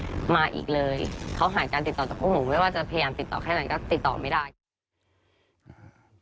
แต่พวกหนูไม่ว่าจะพยายามติดต่อแค่นั้นก็ติดต่อไม่ได้